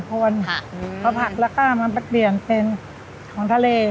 ไปปรับแล้วก็มาเปลี่ยนเป็นของทะเล